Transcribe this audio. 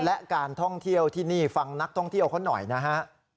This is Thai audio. และการท่องเที่ยวที่นี่ฟังนักท่องเที่ยวเขาหน่อยนะฮะ